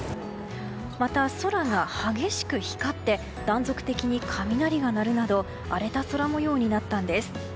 また、空が激しく光って断続的に雷が鳴るなど荒れた空模様になったんです。